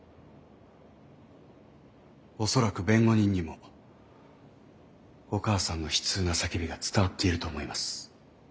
恐らく弁護人にもお母さんの悲痛な叫びが伝わっていると思います。